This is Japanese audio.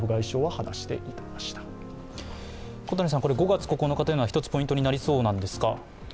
５月９日というのは、一つポイントになりそうなんですか？